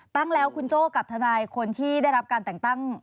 ตั้งแล้วคุณโจ้กับทนายคนที่ได้รับการแต่งตั้ง